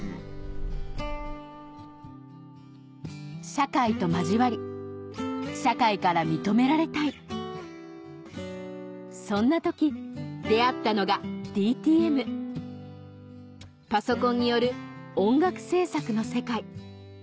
社会と交わり社会から認められたいそんな時出合ったのがＤＴＭパソコンによる音楽制作の世界